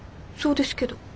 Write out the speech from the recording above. そうですけど。